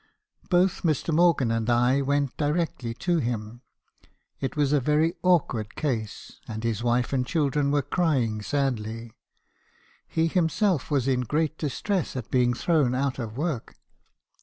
Both Mr. Morgan and I went directly to him. It was a very awkward case, and his wife and children were crying sadly. He himself was in great distress at being thrown out of work.